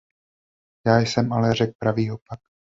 Já jsem ale řekl pravý opak.